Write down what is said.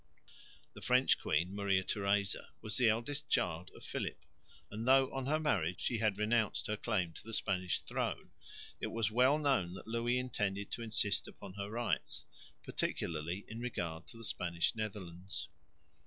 The French Queen, Maria Theresa, was the eldest child of Philip; and, though on her marriage she had renounced her claim to the Spanish throne, it was well known that Louis intended to insist upon her rights, particularly in regard to the Spanish Netherlands.